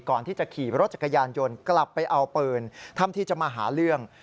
ก่อนที่จะขี่รถจักรยานยนต์กลับไปเอาปืนทำที่จะมาหาเรื่อง